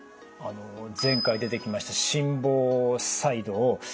あの前回出てきました心房細動。